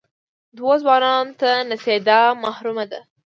دوو ځوانان ته نڅېدا محرمه ده.